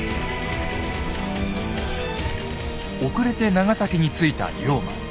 遅れて長崎に着いた龍馬。